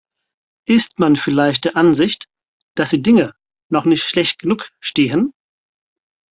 Ist man vielleicht der Ansicht, dass die Dinge noch nicht schlecht genug stehen?